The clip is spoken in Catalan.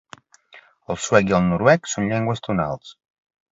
El suec i el noruec són llengües tonals.